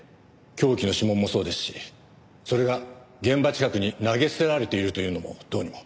凶器の指紋もそうですしそれが現場近くに投げ捨てられているというのもどうにも。